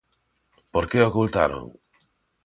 ¿Por que o ocultaron?